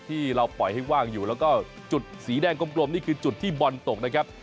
ที่เราปล่อยให้ว่างอยู่แล้วก็จุดสีแดงกลมนี่คือจุดที่บอลตกนะครับ